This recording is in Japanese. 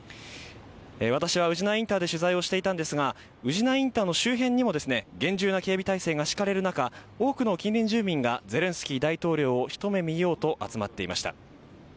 私は宇品インターで取材をしていたんですが宇品インターの周辺にも厳重な警備態勢が敷かれる中多くの近隣住民がゼレンスキー大統領を一目見ようと集まっていました。